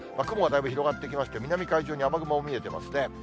雲がだいぶ、広がってきまして、南海上に雨雲が見えてますね。